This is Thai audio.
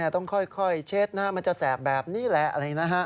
ต้องค่อยเช็ดนะมันจะแสบแบบนี้แหละ